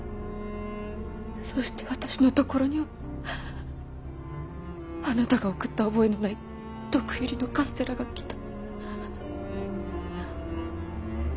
そして私のところにはあなたが送った覚えのない毒入りのカステラが来た。